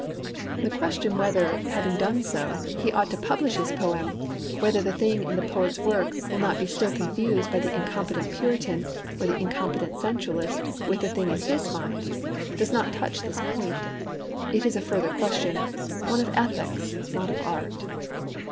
The question whether, having done so, he ought to publish his poem; whether the thing in the poet's work will not be still confused by the incompetent Puritan or the incompetent sensualist with the thing in his mind, does not touch this point; it is a further question, one of ethics, not of art.